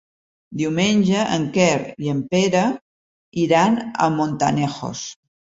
Diumenge en Quer i en Pere iran a Montanejos.